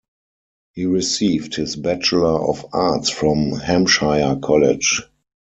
He received his Bachelor of Arts from Hampshire College.